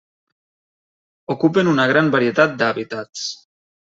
Ocupen una gran varietat d'hàbitats.